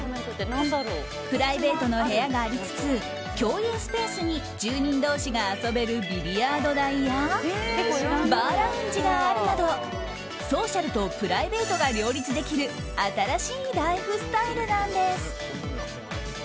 プライベートの部屋がありつつ共有スペースに住人同士が遊べるビリヤード台やバーラウンジがあるなどソーシャルとプライベートが両立できる新しいライフスタイルなんです。